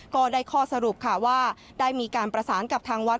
ก็ได้ข้อสรุปค่ะว่าได้มีการประสานกับทางวัด